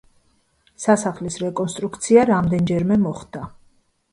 სასახლის რეკონსტრუქცია რამდენჯერმე მოხდა.